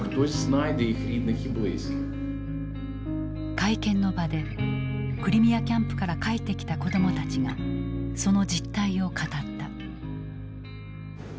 会見の場でクリミアキャンプから帰ってきた子どもたちがその実態を語った。